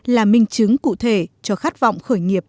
là minh chứng cụ thể cho khát vọng khởi nghiệp